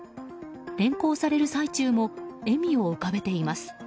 連行される最中も笑みを浮かべています。